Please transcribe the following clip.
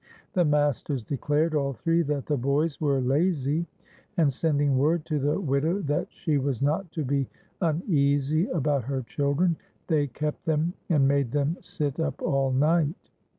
The masters declared, all three, that the boys were lazy, and sending word to the widow that she was not to be uneasy about her children, they kept them and made them sit up all night.